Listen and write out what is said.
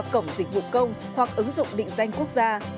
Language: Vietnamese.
cổng dịch vụ công hoặc ứng dụng định danh quốc gia